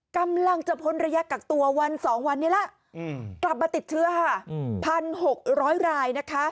กำลังจะพ้นระยะกักตัววัน๒วันนี้ล่ะกลับมาติดเชื้อค่ะ๑๖๐๐รายนะคะ